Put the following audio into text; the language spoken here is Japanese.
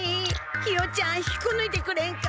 ひよちゃん引っこぬいてくれんか。